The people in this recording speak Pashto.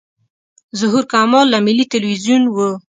ظهور کمال له ملي تلویزیون و.